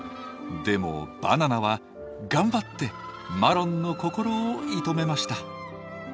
でもバナナは頑張ってマロンの心を射止めました。